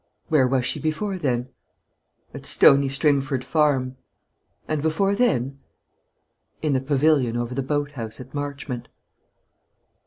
"Where was she before then?" "At Stony Stringford Farm." "And before then?" "In the pavilion over the boat house at Marchmont."